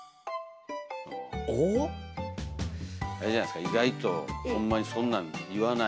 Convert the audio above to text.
あれじゃないですか意外とホンマにそんなん言わない。